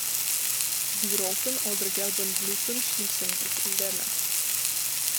Die roten oder gelben Blüten schließen sich in der Nacht.